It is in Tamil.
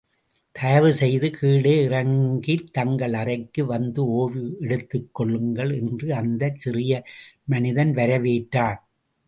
தயவு செய்து கீழே இறங்கித் தங்கள் அறைக்கு வந்து ஓய்வு எடுத்துக்கொள்ளுங்கள்! என்று அந்தச் சிறிய மனிதன் வரவேற்றான்.